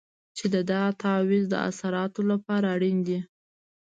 چې د دغه تعویض د اثراتو لپاره اړین دی.